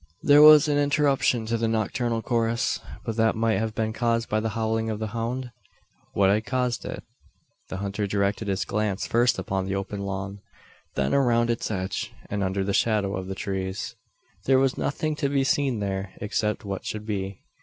There was an interruption to the nocturnal chorus; but that might have been caused by the howling of the hound? What had caused it? The hunter directed his glance first upon the open lawn; then around its edge, and under the shadow of the trees. There was nothing to be seen there, except what should be.